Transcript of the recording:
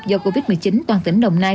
do covid một mươi chín toàn tỉnh đồng nai